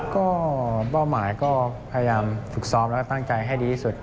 ก็เป้าหมายก็พยายามฝึกซ้อมแล้วก็ตั้งใจให้ดีที่สุด